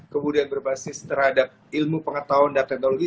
kemudian berbasis terhadap ilmu pengetahuan dan teknologi